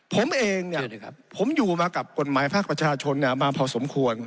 ผมเองผมอยู่มากับกฎหมายภาคประชาชนมาพอสมควร